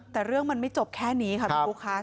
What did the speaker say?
แต่เรื่องมันไม่จบแค่นี้ค่ะพี่บุ๊คค่ะ